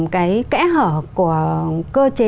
cái kẽ hở của cơ chế